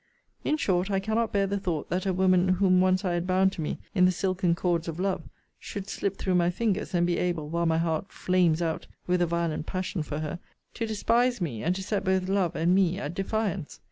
In short, I cannot bear the thought, that a woman whom once I had bound to me in the silken cords of love, should slip through my fingers, and be able, while my heart flames out with a violent passion for her, to despise me, and to set both love and me at defiance.